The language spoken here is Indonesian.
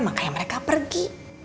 makanya mereka pergi